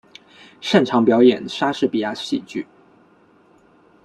擅长表演莎士比亚戏剧。